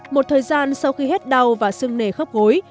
một thời gian sau khi hết đau và sưng nề khắp gối